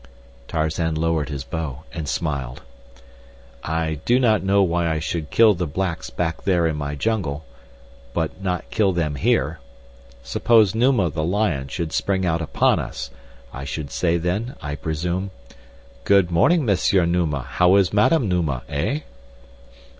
Tarzan lowered his bow and smiled. "I do not know why I should kill the blacks back there in my jungle, yet not kill them here. Suppose Numa, the lion, should spring out upon us, I should say, then, I presume: Good morning, Monsieur Numa, how is Madame Numa; eh?"